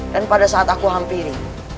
dan pada saat aku hampiri